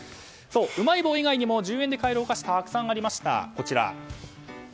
うまい棒以外にも１０円で買えるお菓子たくさんありました。